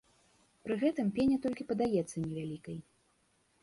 Пры гэтым пеня толькі падаецца невялікай.